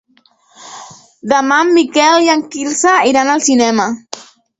Demà en Miquel i en Quirze iran al cinema.